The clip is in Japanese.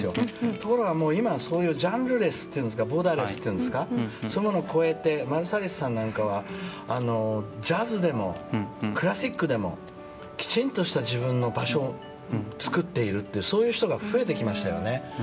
ところが、今はそういうジャンルレスというかボーダーレスというんですかそれを超えてマルサリスさんはジャズでもクラシックでもきちんとした自分の場所を作っているというそういう人が増えてきましたよね。